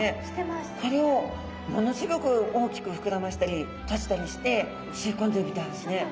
これをものすギョく大きく膨らましたり閉じたりして吸い込んでるみたいですね。